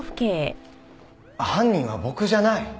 犯人は僕じゃない！